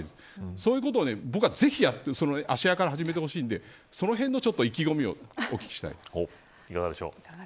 そういったことを芦屋から始めてほしいのでそういった意気込みをお聞きしたいです。